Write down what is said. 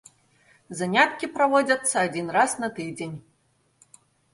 Заняткі праводзяцца адзін раз на тыдзень.